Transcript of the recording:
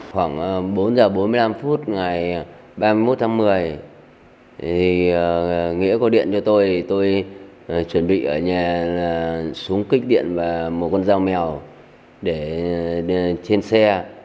khoảng bốn giờ bốn mươi năm phút ngày ba mươi một tháng một mươi nghĩa có điện cho tôi thì tôi chuẩn bị ở nhà súng kích điện và một con dao mèo để trên xe